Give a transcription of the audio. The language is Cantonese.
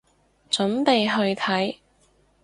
準備去睇